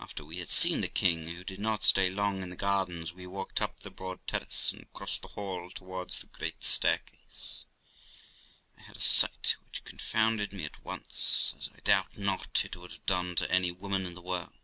After we had seen the king, who did not stay long in the gardens' we walked np the broad terrace, and, crossing the hall towards the great staircase, I had a sight which confounded me at once, as I doubt not it would have done to any woman in the world.